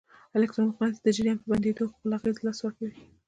الکترو مقناطیس د جریان په بندېدو خپل اغېز له لاسه ورکوي.